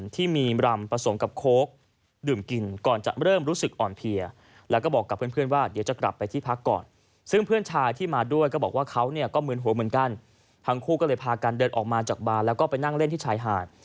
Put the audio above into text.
ทั้งคู่ก็เลยพากันเดินออกมาจากบาร์แล้วก็ไปนั่งเล่นที่ชายหาด